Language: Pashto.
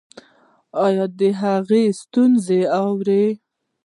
ایا د هغوی ستونزې اورئ؟